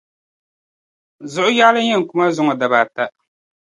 Zuɣu yaali n yen kuma zuŋo dabaata.